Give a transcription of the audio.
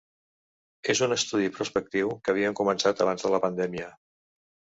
És un estudi prospectiu que havíem començat abans de la pandèmia.